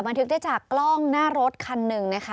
ทึกได้จากกล้องหน้ารถคันหนึ่งนะคะ